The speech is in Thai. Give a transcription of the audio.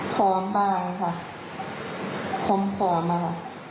พร้อมบ้างค่ะพร้อมผอมค่ะ